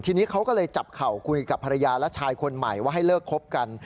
ทีนี้เขาก็เลยจับเข่าคุยกับภรรยาและชายคนใหม่ว่าให้เลิกคบกัน